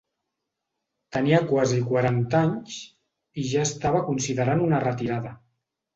Tenia quasi quaranta anys, i ja estava considerant una retirada.